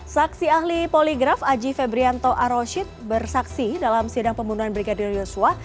saksi ahli poligraf aji febrianto aroshid bersaksi dalam sidang pembunuhan brigadir yosua